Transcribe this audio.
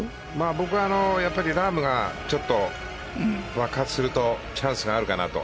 僕は、ラームが爆発するとチャンスがあるかなと。